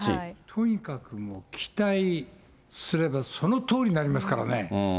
とにかくもう期待すれば、そのとおりになりますからね。